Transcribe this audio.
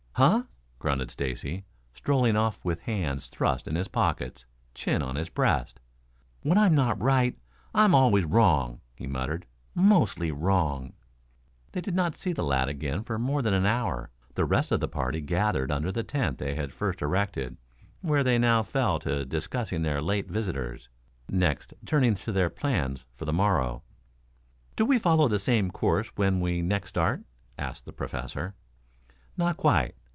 "Huh!" grunted Stacy, strolling off with hands thrust in his pockets, chin on his breast. "When I'm not right I'm always wrong," he muttered. "Mostly wrong." They did not see the lad again for more than an hour. The rest of the party gathered under the tent they had first erected, where they now fell to discussing their late visitors, next turning to their plans for the morrow. "Do we follow the same course when we next start?" asked the Professor. "Not quite.